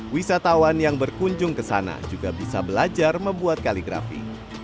wisatawan yang berkunjung ke sana juga bisa belajar membuat kaligrafi